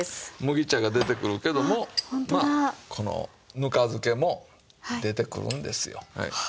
麦茶が出てくるけどもまあこのぬか漬けも出てくるんですよ。